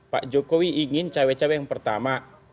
pak jokowi ingin cawe cawe yang pertama